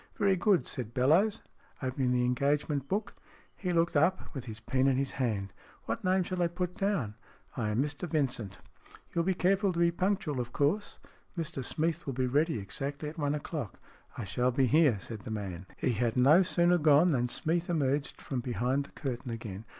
" Very good," said Bellowes, opening the engage ment book. He looked up, with his pen in his hand. " What name shall I put down ?"" I am Mr Vincent." "You'll be careful to be punctual, of course. Mr Smeath will be ready exactly at one o'clock." " I shall be here," said the man. He had no sooner gone than Smeath emerged from behind the curtain again.